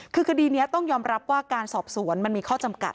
คือคดีนี้ต้องยอมรับว่าการสอบสวนมันมีข้อจำกัด